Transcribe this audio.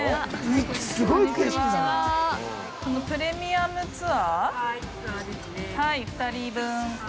◆このプレミアムツアー２人分。